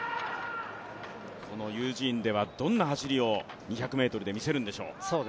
ユージーンではどんな走りを２００ｍで見せるんでしょう。